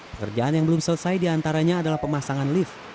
pekerjaan yang belum selesai diantaranya adalah pemasangan lift